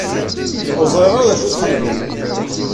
Ur ẓṛiɣ ara acu i tḥemmleḍ.